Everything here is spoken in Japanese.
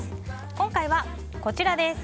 今回はこちらです。